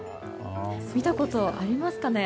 見たことありますかね。